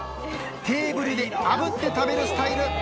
テーブルで炙って食べるスタイル。